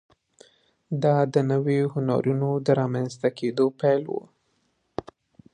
دا د نویو هنرونو د رامنځته کېدو پیل و.